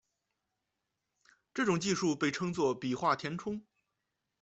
这种技术被称作笔画填充。